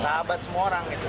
sahabat semua orang gitu